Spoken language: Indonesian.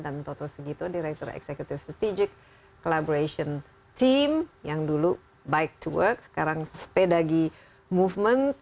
dan toto segito direktur eksekutif strategik collaboration team yang dulu bike to work sekarang sepeda ge movement